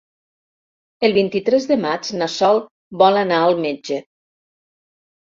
El vint-i-tres de maig na Sol vol anar al metge.